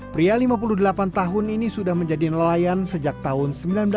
pria lima puluh delapan tahun ini sudah menjadi nelayan sejak tahun seribu sembilan ratus sembilan puluh